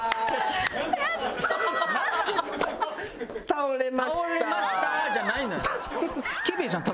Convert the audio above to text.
「倒れました」じゃないのよ。